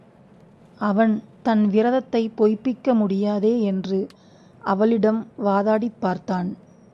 அவன் தன் விரதத்தைப் பொய்ப்பிக்க முடியாதே என்று அவளிடம் வாதாடிப் பார்த்தான்.